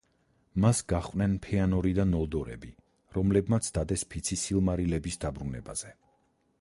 მას გაჰყვნენ ფეანორი და ნოლდორები, რომლებმაც დადეს ფიცი სილმარილების დაბრუნებაზე.